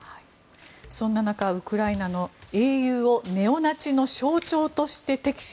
そんな中ウクライナの英雄をネオナチの象徴として敵視。